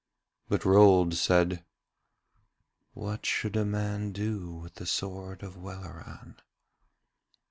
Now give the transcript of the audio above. But Rold said: 'What should a man do with the sword of Welleran?'